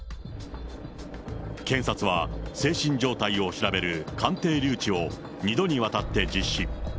検察は、精神状態を調べる鑑定留置を２度にわたって実施。